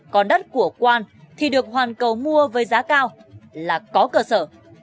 còn đất của quan thì được hoàn cầu mua với giá cao là có cơ sở